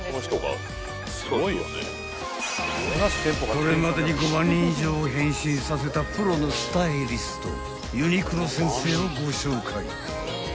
［これまでに５万人以上を変身させたプロのスタイリストユニクロ先生をご紹介］